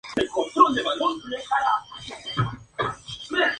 Fue lector en varias universidades europeas.